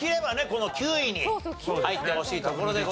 この９位に入ってほしいところでございますが。